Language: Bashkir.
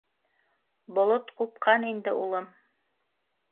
Болот ҡупҡан инде, улым.